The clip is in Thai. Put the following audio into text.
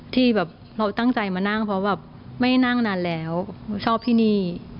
ที่แบบเราตั้งใจมานั่งเพราะแบบไม่นั่งนานแล้วชอบที่นี่